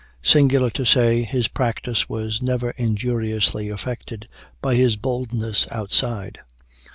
Singular to say, his practice was never injuriously affected by his boldness outside.